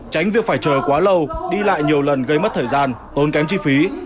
tránh việc phải chờ quá lâu đi lại nhiều lần gây mất thời gian tốn kém chi phí